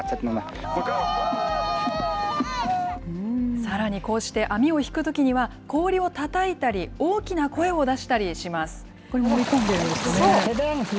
さらにこうして網を引くときには氷をたたいたり大きな声を出これ、追い込んでるんですね。